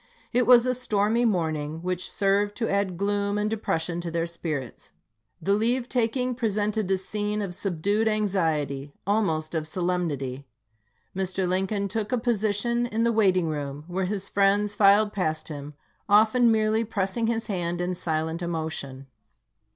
It was a stormy morning, which served to add gloom and depression to their spirits. The leave taking presented a scene of subdued anxiety, almost of solemnity. Mr. Lincoln took a position in the waiting room, where his friends filed past him, often merely pressing his hand in silent emotion.